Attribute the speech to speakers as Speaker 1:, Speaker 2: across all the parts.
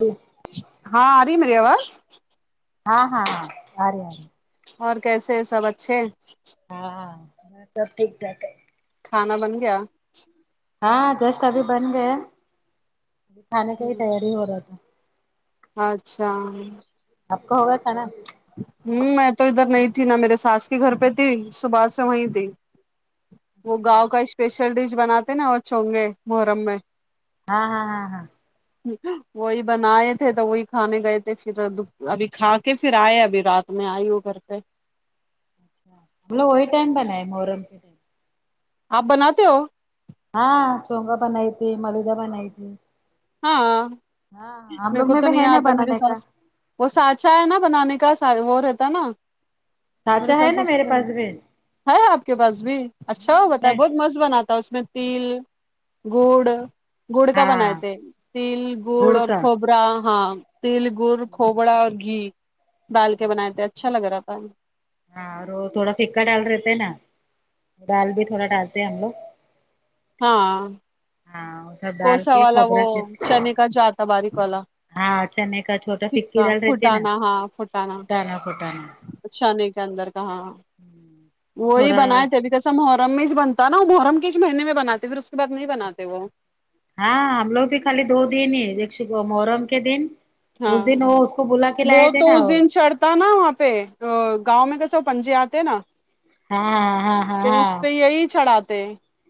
Speaker 1: ہاں
Speaker 2: ہاں آری میری آواز
Speaker 1: ہاں ہاں ہاں آری آری
Speaker 2: اور کیسے سب اچھے
Speaker 1: ہاں ہاں سب ٹھیک ٹھاک ہے
Speaker 2: کھانا بن گیا
Speaker 1: ہاں جسٹ ابھی بن گیا کھانے کی ہی تیاری ہو رہا تھا
Speaker 2: اچھا
Speaker 1: آپ کا ہوگیا کھانا
Speaker 2: ہوں میں تو ادھر نہیں تھی نہ میرے ساس کی گھر پہ تھی صبح سے وہیں تھی وہ گاؤں کا اسپیشل ڈش بناتے نا اور چونگے محرم میں
Speaker 1: ہاں ہاں ہاں ہاں
Speaker 2: وہی بنائے تھے تو وہی کھانے گئے تھے پھر ابھی کھا کے پھر آئے ابھی رات میں آئی ہو گھر پہ
Speaker 1: ہملا وہی ٹائم پن ہے محرم ٹائم
Speaker 2: آپ بناتے ہو
Speaker 1: ہاں چوگا بناائیتی ملودہ بناتی
Speaker 2: ہاں
Speaker 1: ہم لوگ
Speaker 2: میکو
Speaker 1: میں
Speaker 2: تو
Speaker 1: بھی
Speaker 2: نہیں
Speaker 1: ہے نا
Speaker 2: آتا میرے
Speaker 1: بنانے کا
Speaker 2: سس وہ سانچا ہے نا بنانے کا وہ رہتا نا میرے
Speaker 1: سانچا ہے
Speaker 2: سس
Speaker 1: نا
Speaker 2: سس
Speaker 1: میرے پاس بھی
Speaker 2: ہے آپ کے پاس بھی اچھا ہو بتائے بہت مست بناتا اس میں تل گڑ گڑ کا بنایا
Speaker 1: ہاں
Speaker 2: تل گڑ اور کھوبرا ہاں تل گڑ کھوبڑا اور گھی ڈال کے بنائے تھے اچھا لگ رہا تھا
Speaker 1: ہاں وہ تھوڑا فکا ڈال رہتے نا دال بھی تھوڑا ڈالتے ہیں ہم لوگ
Speaker 2: ہاں
Speaker 1: ہاں سب ڈال
Speaker 2: کوسا
Speaker 1: کے
Speaker 2: والا وہ
Speaker 1: کھوبرا کھس کے
Speaker 2: چنے کا جو آتا باریک والا
Speaker 1: ہاں چنے کا چھوٹا فکی دال رہتے نا
Speaker 2: فوٹانا ہاں فھٹانا
Speaker 1: پھٹانا پھٹانا
Speaker 2: چانی کے اندر کا ہاں ہاں
Speaker 1: وہ
Speaker 2: وہی
Speaker 1: تھوڑا
Speaker 2: بنائے تھے ابھی جیسا محرم میچ بنتا ہے نا محرم ک اس مہینے میں بناتے پھر اس کے بعد نہیں بناتے وہ
Speaker 1: ہاں ہم لوگ بھی خالی دو دن ہی دیکشکو محرم کے دن
Speaker 2: ہاں
Speaker 1: اس دن وہ اس کو بلا کے لائے تھے نا
Speaker 2: ہوتا نا وہاں پہ گاؤں میں کسے پنجے آتے نا
Speaker 1: ہاں ہاں ہاں
Speaker 2: تو اس
Speaker 1: ہاں
Speaker 2: پہ یہی چڑھاتے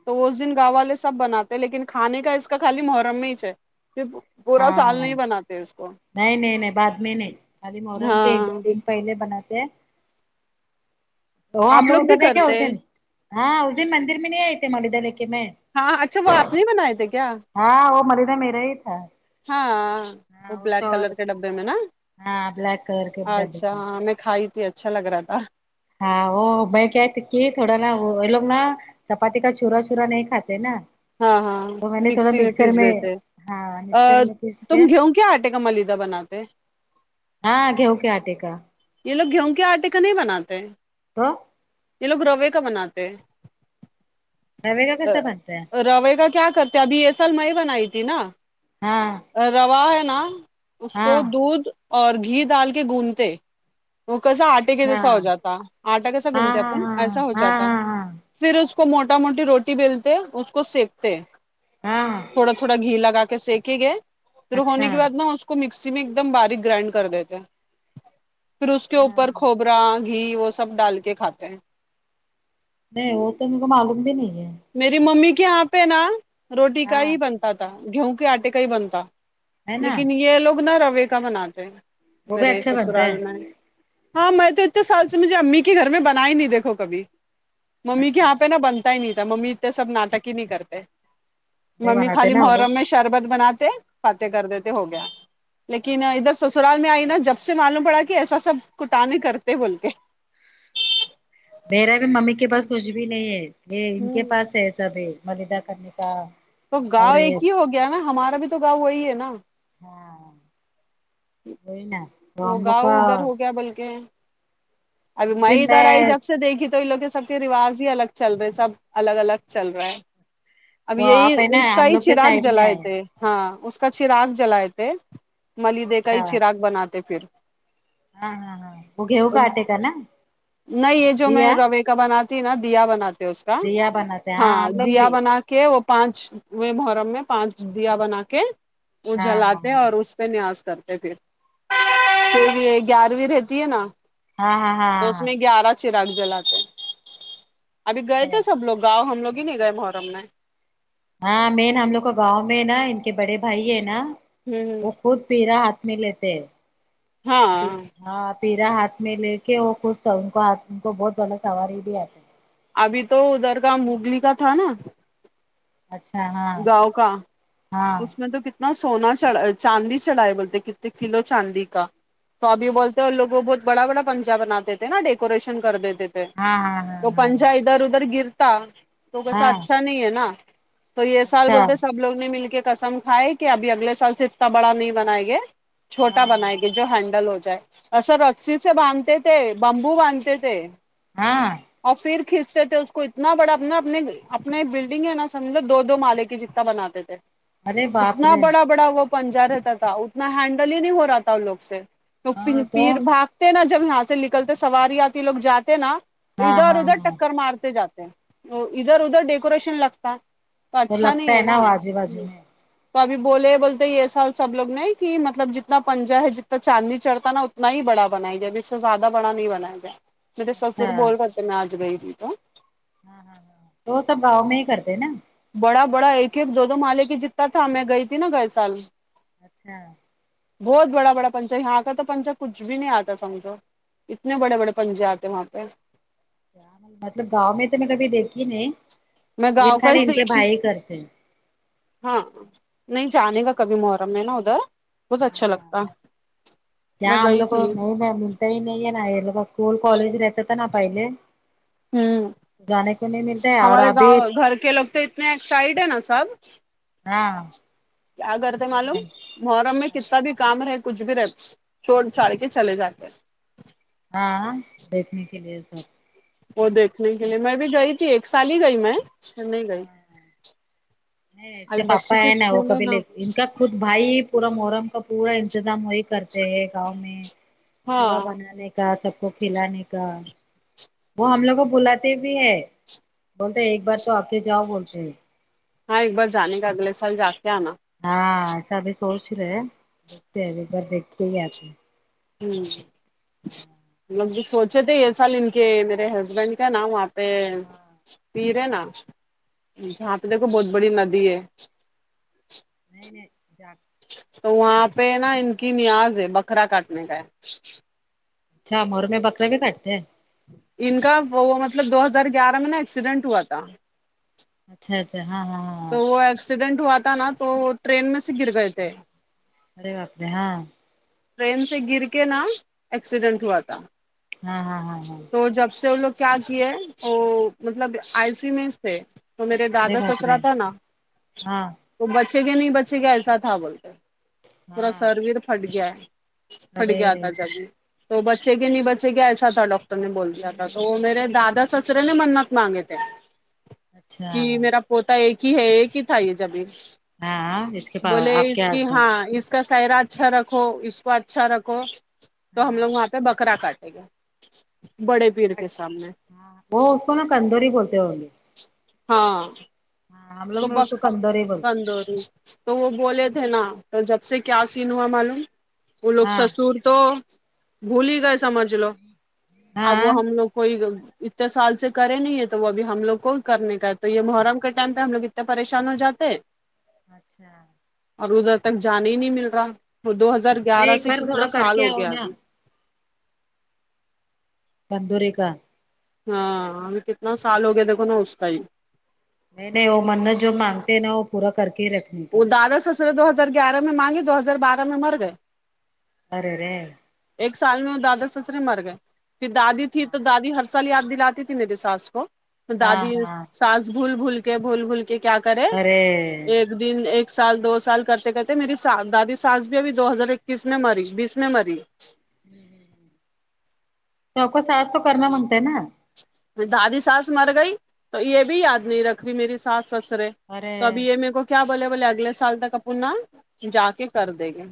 Speaker 2: تو اس دن گاؤں والے سب بناتے ہیں لیکن کھانے کا اس کا خالی محرم میں ہیچ ہے پورا سال
Speaker 1: ہاں
Speaker 2: نہیں بناتے اس کو
Speaker 1: نہیں نہیں نہیں بعد میں نہیں خالی محرم کے ایک دو
Speaker 2: ہاں
Speaker 1: دن پہلے بناتے ہیں تو ہم
Speaker 2: آپ
Speaker 1: لوگ
Speaker 2: بھی
Speaker 1: ادھر دیکھے
Speaker 2: کرتے
Speaker 1: اس
Speaker 2: ہیں؟
Speaker 1: دن ہاں اس دن مندر میں نہیں آئے تھے ملیدہ لے کےمیں
Speaker 2: ہاں اچھا وہ آپ نے بنائے تھے کیا
Speaker 1: ہاں وہ ملیدہ میرا ہی تھا
Speaker 2: ہاں وہ
Speaker 1: ہاں
Speaker 2: بلیک
Speaker 1: چور
Speaker 2: کلر کے ڈبے میں نہ
Speaker 1: ہاں بلیک کلر کے ڈبے
Speaker 2: اچھا ہاں میں کھائی تھی اچھا لگ رہا تھا
Speaker 1: ہاں وہ بھ کیا تک کہ تھوڑا نہ لوگ نہ چپاتی کا چھورا چھورا نہیں کھاتے نا
Speaker 2: ہاں ہاں
Speaker 1: تو میں نے تھوڑا
Speaker 2: مکسی میں
Speaker 1: مکسر
Speaker 2: پیس دیتے
Speaker 1: ہاں مکسر میں پیس
Speaker 2: تم گہوں کے آٹے کا ملیدہ بناتے
Speaker 1: ہاں گھیو کے آٹے کا
Speaker 2: یہ لوگ گیہوں کے آٹے کا نہیں بناتے
Speaker 1: تو
Speaker 2: یہ لوگ روے کا بناتے ہیں
Speaker 1: ر وے کا کیسا بنتا ہے
Speaker 2: رو ے کا کیا کرتے ابھی یہ سال میں بنای تھی نہ
Speaker 1: ہاں
Speaker 2: روا ہے نا اس کو
Speaker 1: ہاں
Speaker 2: دودھ اور گھی ڈال کے گنودتے وہ کیسا آٹے کے
Speaker 1: اچھا
Speaker 2: جیسا ہو جاتا آٹا کیسا گن
Speaker 1: ہاں
Speaker 2: تےگوندتے اپن
Speaker 1: ہاں
Speaker 2: ایسا ہو
Speaker 1: ہاں
Speaker 2: جاتا
Speaker 1: ہاں ہاں ہاں
Speaker 2: پھر اس کو موٹا موٹی روٹی بیلتے اس کو سیکتے
Speaker 1: ہاں
Speaker 2: تھوڑا تھوڑا گھی لگا کے سیکے گے پھر ہونے
Speaker 1: اچھا
Speaker 2: کے بعد نہ کو مکسی میں ایک دم باریک گرائنڈ کر دیتے پھر اس کے
Speaker 1: اچھا
Speaker 2: اوپر کھوبرا گھی وہ سب ڈال کے کھاتے ہیں
Speaker 1: نہیں وہ تو میں کو معلوم بھی نہیں ہے
Speaker 2: میری ممی کے یہاں پہ نا روٹی کا
Speaker 1: ہاں
Speaker 2: ہی بنتا تھا گیہوں کے آٹے کا ہی بنتا
Speaker 1: ہے نا
Speaker 2: لیکن یہ لوگ نا روے کا بناتے ہیں
Speaker 1: وہ بھی
Speaker 2: میرے
Speaker 1: اچھا بنتا
Speaker 2: سسرال میں
Speaker 1: ہے
Speaker 2: ہاں میں تو اتنے سال سے مجھے امی کے گھر میں بنا ہی نہیں دیکھو کبھی ممی کے
Speaker 1: اچھا
Speaker 2: یہاں پہ نا
Speaker 1: نہیں
Speaker 2: بنتا ہی نہیں تھا ممی اتے سب ناٹک ہی نہیں کرتے ممی
Speaker 1: بناتے
Speaker 2: خالی
Speaker 1: نا وہ لوگ
Speaker 2: محرم میں شربت بناتے فاتح کر دیتے ہو گیا لیکن ادھر سسرال میں آئی نا جب سے معلوم پڑا کہ ایسا سب کٹانے کرتے بول کے
Speaker 1: میرا بھی ممی کے پاس کچھ بھی نہیں ہے یہ ان کے پاس ہے سب ملیدہ کرنے کا
Speaker 2: تو
Speaker 1: اور
Speaker 2: گاؤں ایک
Speaker 1: یہ
Speaker 2: ہی ہو گیا نا ہمارا بھی تو گاؤں وہی ہے نا
Speaker 1: ہاں وہئی نا
Speaker 2: تو وہ
Speaker 1: ہم لوگ
Speaker 2: گاؤں
Speaker 1: کا
Speaker 2: ادھر ہو گیا بولک ابھی
Speaker 1: اس
Speaker 2: میں
Speaker 1: دن
Speaker 2: ادھر آئی جب سے دیکھی تو ان لوگ کے سب کے رواج ہی الگ چل رہے سب الگ الگ چل رہا ہے اب
Speaker 1: تو
Speaker 2: یہی
Speaker 1: آپ ہے نا
Speaker 2: اس کا
Speaker 1: ہم
Speaker 2: ہی
Speaker 1: لوگ کے
Speaker 2: چراغ
Speaker 1: سائڈ میں
Speaker 2: جلائے
Speaker 1: آئے
Speaker 2: تھے ہاں اس کا چراغ جلائے تھے ملیدے کا
Speaker 1: اچھا
Speaker 2: ہی چراغ بناتے پھر
Speaker 1: ہاں ہاں ہاں وہ گیںہوں کاٹےگا نا
Speaker 2: نہیں یہ جو میں
Speaker 1: دیا
Speaker 2: روے کا بناتی نا دیا بناتے اس کا
Speaker 1: دیا بناتے ہیں
Speaker 2: ہاں
Speaker 1: ہم لوگ
Speaker 2: دیا
Speaker 1: بھی
Speaker 2: بنا کے وہ پانچ و محرم میں پانچ دیا بنا کے وہ
Speaker 1: ہاں ہاں ہاں
Speaker 2: جلاتے اور اس س نیاس کرتے پھر پھر یہ گیارہویں رہتی ہے نا
Speaker 1: ہاں ہاں
Speaker 2: تو
Speaker 1: ہاں
Speaker 2: اس
Speaker 1: ہاں
Speaker 2: میں گیارہ چراگ جلاتے ہیں ابھی گئے تھے سب لوگ گاؤ ہم لوگ ہی نہیں گئے محرم میں
Speaker 1: ہاں مین ہم لوگ کو گاؤں میں نا ان کے بڑے بھائی ہے نا
Speaker 2: ہمم ہمم
Speaker 1: خت پیرا ہاتھ میں لیتے ہیں
Speaker 2: ہاں
Speaker 1: ہاں تیرا ہاتھ میں لے کے وہ خوش تھا ہاتھ ان کو بہت بڑا سواری بھی آتا
Speaker 2: ابھی تو ادھر کا مغلی کا تھا نا
Speaker 1: ہے اچھا ہاں
Speaker 2: گاؤں کا
Speaker 1: ہاں
Speaker 2: اس میں تو کتنا سونا چا چاندی چڑھائے بولتے کتنے کلو چاندی کا تو ابھی بولتے ہیں اور لوگ وہ بہت بڑا بڑا پنجا بناتے تھے نا ڈیکوریشن کر دیتے تھے
Speaker 1: ہاں ہاں
Speaker 2: تو
Speaker 1: ہاں ہاں ہاں
Speaker 2: پنجا ادھر ادھر گرتا تو وسا
Speaker 1: ہاں
Speaker 2: اچھا نہیں ہے نا تو یہ سال
Speaker 1: اچھا
Speaker 2: بولتے سب لوگ نے مل کے قسم کھائے کہ ابھی اگلے سال سے اتنا بڑا نہیں بنائے گے
Speaker 1: ہاں
Speaker 2: چھوٹا
Speaker 1: ہاں
Speaker 2: بناینگے جو ہینڈل ہو جائے ا سر رسی سے باندھتے تھے بمبو باندھتے تھے
Speaker 1: ہاں
Speaker 2: اور پھر کھینچتے تھے اس کو اتنا بڑا اپنا اپنے اپنے بلڈنگ ہے نا سمجھو دو مالے کی بناتے تھے
Speaker 1: ارے باپ
Speaker 2: اتنا
Speaker 1: رے
Speaker 2: بڑا بڑا وہ پنجا رہتا تھا اتنا ہینڈل ہی نہیں ہو رہا تھا ان لوگ سے تو پ
Speaker 1: ہاں تو
Speaker 2: پیر بھاگتے نا جب یہاں سے نکلتے سواری آتی لوگ جاتے نا
Speaker 1: ہاں
Speaker 2: ادھر
Speaker 1: ہاں
Speaker 2: ادھر
Speaker 1: ہاں
Speaker 2: ٹکر مارتے جاتے ہیں ادھر ادھر ڈیکوریشن لگتا ہے تو اچھا نہیں
Speaker 1: لگتا
Speaker 2: ہے نا
Speaker 1: وہ آجو باجو میں
Speaker 2: تو ابھی بولے بولتے یہ سال سب لگ نے کہ مطلب جتنا پنجہ ہے جتنا چاندنی چڑھتا نا نہیں بڑا بنایا گیا م اس سے زیادہ بڑا نہیں بنایا گیا میرے سس
Speaker 1: اچھا ہاں
Speaker 2: بول کر کے میں آج گئی تھی تو
Speaker 1: تو وہ سب گاؤں میں ہی کرتے نا
Speaker 2: بڑا بڑا ایک ایک دو دو مالے کی جتتا تھا میں گئی تھی نا گئے سال
Speaker 1: اچھا
Speaker 2: بہت بڑا بڑا پنچا یہاں کا تو پنچا کچھ بھی نہیں آتا سمجھو اتنے بڑے بڑے پنجے آتے ہیں وہاں پہ
Speaker 1: کیا مطلب گاؤں میں تو میں کبھی دیکھی نہیں
Speaker 2: میں
Speaker 1: لیکن
Speaker 2: گاؤں کا
Speaker 1: خالی
Speaker 2: اس
Speaker 1: ان کے
Speaker 2: دیکھی
Speaker 1: بھائی ہی کرتے ہیں
Speaker 2: ہاں نہیں جانے کا کبھی محرم ہے نا ادھر بہت اچھا
Speaker 1: ہاں
Speaker 2: لگتا میں گئی تھی
Speaker 1: صحیح نہیں ہے نہ یہ لوگوں اسکول کالج رہتا تھا نا پہلے
Speaker 2: ہوں
Speaker 1: جانے کو نہیں ملتا اور
Speaker 2: ہمارے
Speaker 1: ابھی
Speaker 2: گاؤں گھر کے لگتے ایکسایڈ ہینا سب
Speaker 1: ہاں
Speaker 2: کیا کرتے معلوم محرم میں کتنا بھی کام رہے کچھ بھی رہے چھوڑ چھاڑ کے چلے جاتے
Speaker 1: ہاں دیکھنے کے لیے سب
Speaker 2: وہ دیکھنے کے لیے میں بھی گئی تھی ایک سال ہی گئی میں پھر نہیں گئی
Speaker 1: ہمم نہیں اس کے پاپا ہے نا وہ کبھی لے ان کا خود بھائی پورا محرم کا پورا انتظام ہو کرتے ہیں گاؤں میں
Speaker 2: ہاں
Speaker 1: کوڑا بنانے کا سب کو کھلانے کا وہ ہم لوگ کو بلاتے بھی ہے بولتے ایک بار تو آکے جاؤ بولتے
Speaker 2: ہاں ایک بار جانے کا اگلے سال جا کے آنا
Speaker 1: ہاں ایسا ابھی سوچ رہے دیکھتے بار دیکھے ہی آتے ہیں
Speaker 2: ہمم مطلب سوچے تھے یہ سال ان کے میرے ہسبینڈ کا نام آپ پہ پیر ہے نا جہاں پہ دیکھو بہت بڑی ندی ہے
Speaker 1: نہیں نہیں جا
Speaker 2: تو وہاں پہ نا ان کی نیاز ہے بکرا کاٹنے کا ہے
Speaker 1: اچھا مور مے بکرا بھی کاٹتے ہیں
Speaker 2: ان کا وہ مطلب دو ہزار گیارہ میں نا ایکسیڈنٹ ہوا تھا
Speaker 1: اچھا اچھا ہاں ہاں ہاں
Speaker 2: تو
Speaker 1: ہاں
Speaker 2: وہ ایکسیڈنٹ ہوا تھا نا تو وہ ٹرین میں سے گر گئے تھے
Speaker 1: ارے باپرے ہاں
Speaker 2: ٹرین سے گر کے نا ایکسیڈینٹ ہوا تھا تو جب سے وہ لوگ کیا کی ہے وہ مطلب آئی س یو میں تھے تو میرے
Speaker 1: ارے باپ رے ہاں ہاں ہاں ہاں ہاں ارے
Speaker 2: دادا
Speaker 1: باپ
Speaker 2: سسرا
Speaker 1: رے
Speaker 2: تھا نا
Speaker 1: ہاں
Speaker 2: وہ بچے گے نہیں بچے گے ایسا تھا بولتے پورا
Speaker 1: ہاں
Speaker 2: سرویر پھٹ گیا ہے پھٹ
Speaker 1: ارے
Speaker 2: گیا
Speaker 1: ارے
Speaker 2: تھا جب تو بچے گے نہیں بچے گے ایسا تھا ڈاکٹر بولتا تھا تو میرے دادا سسرے نے منت مانگے تھے
Speaker 1: اچھا
Speaker 2: کی میرا پوتا ایک ہی ہے ایک ہی تھا یہ جبھی
Speaker 1: ہاں اس کے پاس
Speaker 2: بولے
Speaker 1: آپ کے
Speaker 2: اس کی
Speaker 1: ہسبینڈ
Speaker 2: ہاں اس اس کا سائرا اچھا رکھو اس کو اچھا رکھو تو ہم لوگ
Speaker 1: ہاں
Speaker 2: وہاں پہ بکرا کاٹے گے بڑے پیر کے سامنے
Speaker 1: ہاں وہ اس کو نا کندوری بولتے ہو گے
Speaker 2: ہاں
Speaker 1: ہاں ہم لوگ میں
Speaker 2: صبح
Speaker 1: اس کو کندوری بولتے ہیں
Speaker 2: [unintelligible] تو وہ بولے تھے نا تو جب سے کیا سین ہوا معلوم وہ لوگ
Speaker 1: ہاں
Speaker 2: سسور تو بھول ہی گئے سمجھ لو اب
Speaker 1: ہاں
Speaker 2: وہ ہم لوگ کو اتنے سال سے کرے نہیں ہے تو وہ ابھی ہم لوگ کو ہی کرنے کا ہے تو یہ محرم کا ٹائم ہم لوگ اتنے پریشان ہو جاتے ہیں
Speaker 1: اچھا
Speaker 2: اور ادھر تک جانے ہی نہیں مل رہا وہ دو ہزار گیارہ
Speaker 1: ایک
Speaker 2: سے
Speaker 1: بار تھوڑا
Speaker 2: کتنا
Speaker 1: کر
Speaker 2: سال
Speaker 1: کے
Speaker 2: ہو
Speaker 1: آؤ
Speaker 2: گیا
Speaker 1: نا
Speaker 2: ابھی
Speaker 1: [unintelligible]
Speaker 2: ہاں ابھی کتنا سال ہو گیا دیکھو نا اس کا ہی
Speaker 1: نہیں نہیں وہ منت جو مانگتے ہیں نا وہ پورا کر کے ہی رہتے
Speaker 2: وہ دادا سسرے دو ہزار گیارہ میں مانگے دو ہزار بارہ میں مر گئے
Speaker 1: ارے رے
Speaker 2: ایک سال میں وہ دادا سسرے مر گئے پھر دادی تھی تو
Speaker 1: ہاں
Speaker 2: دادی ہر سال یاد دلاتی تھی میے ساس کو
Speaker 1: ہاں
Speaker 2: دادی
Speaker 1: ہاں
Speaker 2: ساس بھول بھول کے بھول بھول کے کیا کریں
Speaker 1: ارے
Speaker 2: ایک دن ایک سال دو سال کرتے کرتے میری سا دادی ساس بھی ابھی دو ہزار اکیس میں مری بیس میں مری
Speaker 1: [inaudible] [inaudible] ساس تو کرنا منتا ہےا
Speaker 2: دادی ساس مر گئی تو یہ بھی یاد نہیں رکھ رہی میری ساس سسرے
Speaker 1: ارے
Speaker 2: تو اب یہ میرے کو کیا بولے بولے اگلے سال تک اپ نہ جا کے کر دے گے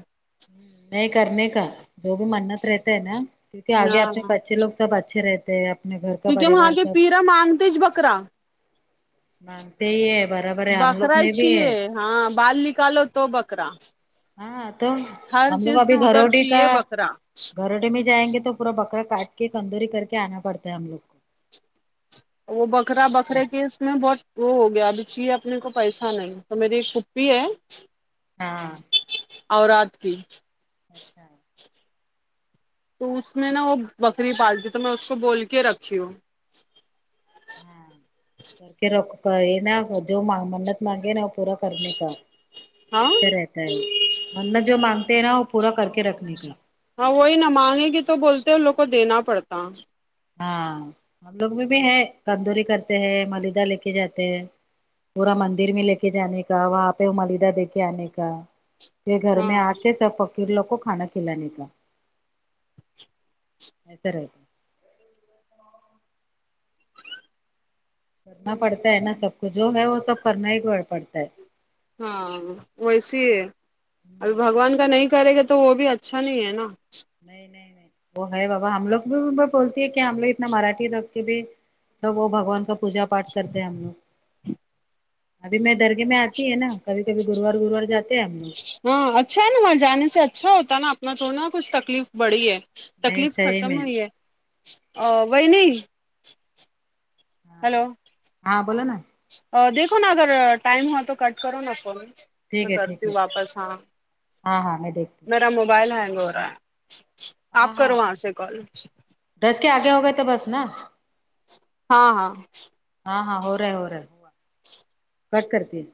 Speaker 1: نہیں کرنے کا جو بھی منت رہتا ہے نا کیونکہ آگے
Speaker 2: ہاں
Speaker 1: اپنے ب بچے لوگ سب اچھے رہتے ہیں اپنے گھر کا
Speaker 2: کیونکہ وہاں
Speaker 1: پریوار
Speaker 2: کے
Speaker 1: سب
Speaker 2: پیرا مانگتے تیچ بکرا
Speaker 1: مانگتے ہی ہے برابر ہے ہم لوگ
Speaker 2: بکرا ہی
Speaker 1: میں بھی ہے
Speaker 2: چاہیے ہاں بال نکالو تو بکرا
Speaker 1: ہاں تو
Speaker 2: ہر
Speaker 1: ہم لوگ
Speaker 2: چیز
Speaker 1: ابھی
Speaker 2: میں ادھر
Speaker 1: گھروٹی کا
Speaker 2: چاہیے بکرا
Speaker 1: گھروٹے میں جائیں گے تو پورا بکرا کاٹ کے کندوری کر کے آنا پڑتا ہے ہم لوگ کو
Speaker 2: وہ بکرا
Speaker 1: وہاں پہ
Speaker 2: بکرے کے اس میں بہت وہ ہو گیا ابھی چاہیے اپنے کو پیسہ نہیں تو میری ایک پھوپی ہے
Speaker 1: ہاں
Speaker 2: اورات کی
Speaker 1: اچھا
Speaker 2: تو اس میں نہ وہ بکری پالتی تو میں اس کو بول کے رکھتی ہوں
Speaker 1: ہاں کر کے ر ک یہ نا جو منت مانگے نا [unintelligible] پورا کرنے کا
Speaker 2: ہاں
Speaker 1: اچھا رہتا ہے وہ منت جو مانگتے ہیں نا وہ پورا کر کے رکھنے کا
Speaker 2: ہاں وہی نہ مانگے گے تو بولتے ان لوگ کو دینا پڑتا
Speaker 1: ہاں ہم لوگ میں بھی ہے کندوری کرتے ہیں مالیدہ لے کے جاتے ہیں پورا مندر میں لے کے جانے کا وہاں پہ ملیدہ دے کے آنے کا پھر گھر میں
Speaker 2: ہاں
Speaker 1: آتے سب فقیر لوگ کو کھانا کھلانے کا ایسا رہتا ہے. کرنا پڑتا ہے نا سب کو جو ہے وہ سب کرنا ہی پڑتا ہے
Speaker 2: ہاں ویسے ابھی
Speaker 1: ہوں،
Speaker 2: بگوان کا نہیں کرے گے تو وہ بھی اچھا نہیں ہے نہ
Speaker 1: نہیں نہیں نہیں وہ ہے بابا ہم لوگ بھی بولتی ہے کہ ہم لوگ اتنا مراٹھی لگ کے بھی سب وہ بگوان کا پوجا پاٹ کرتے ہیں ہم لوگ ابھی میں درگے میں آتی ہے نا کبھی کبھی گروار گروار جاتے ہیں ہم لوگ
Speaker 2: ہاں اچھا ہے نہ وہاں جانے سے اچھا ہوتا ہے نہ اپنا تو نہ کچھ تکلیف بڑی ہے
Speaker 1: نہیں
Speaker 2: تکلیف
Speaker 1: صحیح
Speaker 2: ختم
Speaker 1: میں
Speaker 2: ہوئی ہے وہی نہیں
Speaker 1: ہاں
Speaker 2: ہلو
Speaker 1: ہاں بولو نہ
Speaker 2: دیکھو نہ اگر ٹائم ہوا تو کٹ کرو نہ فون میں
Speaker 1: ٹھیک ہے
Speaker 2: کرتی
Speaker 1: ٹھیک ہے
Speaker 2: ہوں واپس ہاں میں
Speaker 1: ہاں ہاں میں دیکھتی
Speaker 2: میرا موبائل ہینگ ہو رہا ہے
Speaker 1: ہوں
Speaker 2: آپ
Speaker 1: ہاں
Speaker 2: کرو
Speaker 1: ہاں
Speaker 2: وہاں سے کال
Speaker 1: دس کے آگے ہو گئے تو بس نا
Speaker 2: ہاں ہاں
Speaker 1: ہاں ہاں ہو رہا ہے ہو رہا ہے کٹ کرتی ہے